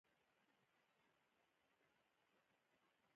لوی څښتن تعالی مو خوښ، ښاد او اباد لره.